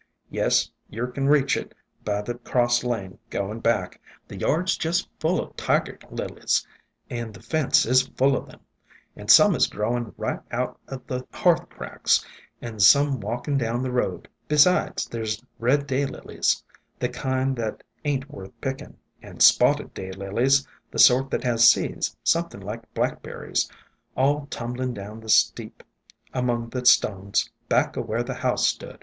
Yes, yer can reach it by the cross lane going back. The yard 's jest full o' Tiger Lilies, and the fence ESCAPED FROM GARDENS 79 is full o' them, and some is growin' right out o' the hearth cracks, and some walkin' down the road. Besides, there 's Red Day Lilies, the kind that ain't worth pickin', and Spotted Day Lilies, the sort that has seeds something like Blackberries, all tumbling down the steep among the stones, back o' where the house stood.